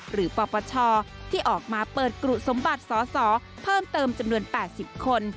ปปชที่ออกมาเปิดกรุสมบัติสสเพิ่มเติมจำนวน๘๐คน